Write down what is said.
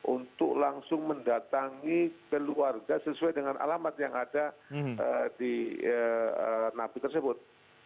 untuk langsung mendatangi keluarga sesuai dengan alamat yang ada di napi tersebut